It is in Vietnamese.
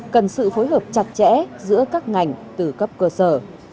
cần sự phối hợp chặt chẽ giữa các ngành từ cấp cơ sở